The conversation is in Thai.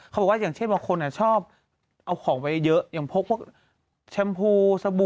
เขาบอกว่าอย่างเช่นบางคนอ่ะชอบเอาของไปเยอะอย่างพวกแชมพูสบู่